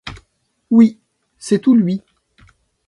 Oui, c’est tout lui.